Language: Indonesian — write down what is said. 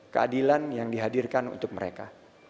keadilan yang dihadirkan untuk mereka